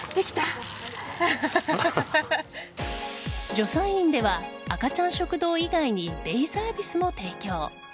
助産院では赤ちゃん食堂以外にデイサービスも提供。